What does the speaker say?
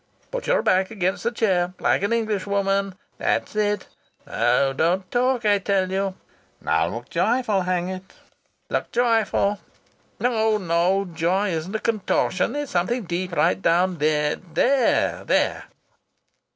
Put your back against the chair, like an Englishwoman. That's it. No, don't talk, I tell you. Now look joyful, hang it! Look joyful.... No, no! Joy isn't a contortion. It's something right deep down. There, there!"